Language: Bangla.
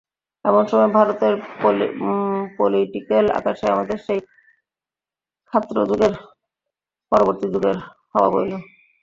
এমন সময়ে ভারতের পোলিটিক্যাল আকাশে আমাদের সেই ক্ষাত্রযুগের পরবর্তী যুগের হাওয়া বইল।